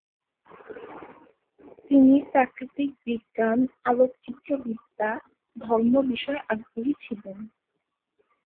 তিনি প্রাকৃতিক বিজ্ঞান, আলোকচিত্রবিদ্যা, ধর্ম বিষয়ে আগ্রহী ছিলেন।